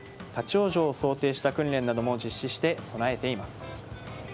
立ち往生を想定した訓練なども実施して備えています。